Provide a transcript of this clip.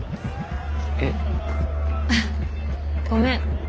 えっ？あっごめん。